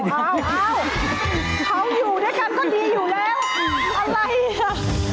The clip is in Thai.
เขาอยู่ด้วยกันก็ดีอยู่แล้ว